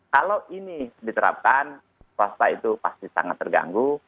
kalau ini diterapkan swasta itu pasti sangat terganggu